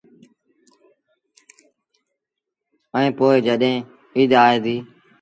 ائيٚݩ پو جڏهيݩ ايٚد آئي ديٚ۔